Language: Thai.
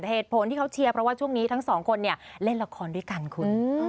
เหตุผลที่เขาเชียร์เพราะว่าช่วงนี้ทั้งสองคนเนี่ยเล่นละครด้วยกันคุณ